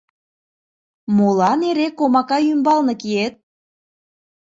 Молан эре комака ӱмбалне киет?